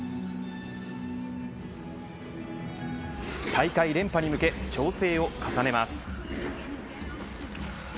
大会連覇に向け調整を重ねます。